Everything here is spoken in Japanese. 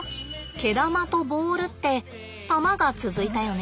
毛玉とボールって球が続いたよね。